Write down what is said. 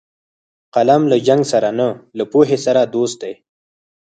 قلم له جنګ سره نه، له پوهې سره دوست دی